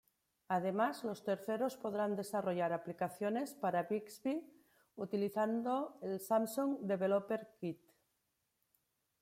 Además, los terceros podrán desarrollar aplicaciones para Bixby utilizando el Samsung Developer Kit.